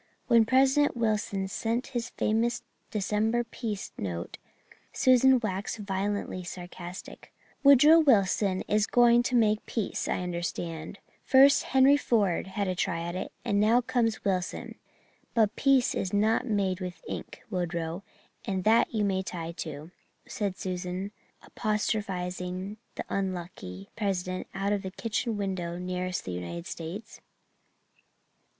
When President Wilson sent his famous December peace note Susan waxed violently sarcastic. "Woodrow Wilson is going to make peace, I understand. First Henry Ford had a try at it and now comes Wilson. But peace is not made with ink, Woodrow, and that you may tie to," said Susan, apostrophizing the unlucky President out of the kitchen window nearest the United States.